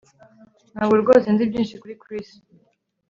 Ntabwo rwose nzi byinshi kuri Chris